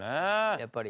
やっぱり。